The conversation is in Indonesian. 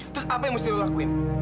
terus apa yang mesti lo lakuin